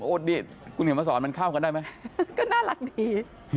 นี่คุณเห็นมาสอนมันเข้ากันได้ไหมก็น่ารักดี